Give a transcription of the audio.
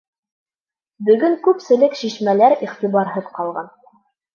Бөгөн күпселек шишмәләр иғтибарһыҙ ҡалған.